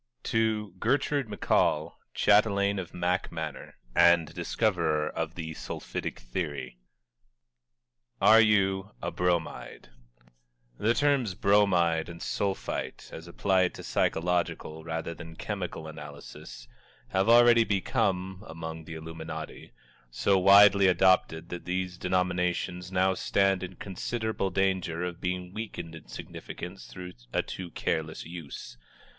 _ TO GERTRUDE McCALL CHATELAINE OF MAC MANOR AND DISCOVERER OF THE SULPHITIC THEORY ARE YOU A BROMIDE? The terms "Bromide" and "Sulphite" as applied to psychological rather than chemical analysis have already become, among the illuminati, so widely adopted that these denominations now stand in considerable danger of being weakened in significance through a too careless use.